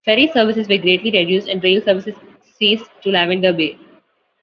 Ferry services were greatly reduced and rail services ceased to Lavender Bay.